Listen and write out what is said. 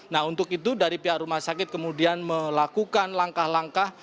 nah untuk itu dari pihak rumah sakit kemudian melakukan langkah langkah